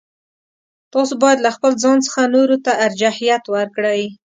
تاسو باید له خپل ځان څخه نورو ته ارجحیت ورکړئ.